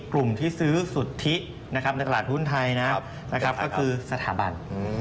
กลุ่มที่ซื้อสุทธิในตลาดหุ้นไทยนะครับก็คือสถาบัน